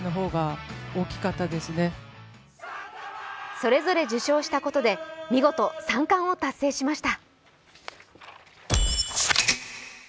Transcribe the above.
それぞれ受賞したことで見事３冠を達成しました。